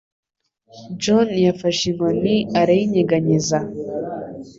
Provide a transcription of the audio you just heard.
John yafashe inkoni arayinyeganyeza.